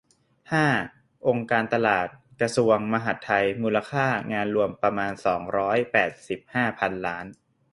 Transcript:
ห้า องค์การตลาด กระทรวงมหาดไทย มูลค่างานรวมประมาณ สองร้อยแปดสิบห้า พันล้าน